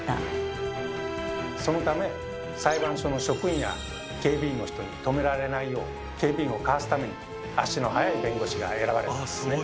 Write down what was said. そのため裁判所の職員や警備員の人に止められないよう警備員をかわすために足の速い弁護士が選ばれたんですね。